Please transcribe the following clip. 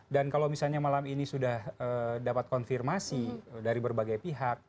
dan kalau misalnya malam ini sudah dapat konfirmasi dari berbagai pihak